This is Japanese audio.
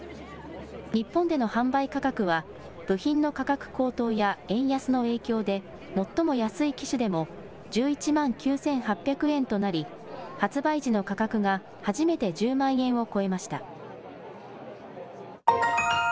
日本での販売価格は部品の価格高騰や円安の影響で、最も安い機種でも１１万９８００円となり、発売時の価格が初めて１０万円を超えました。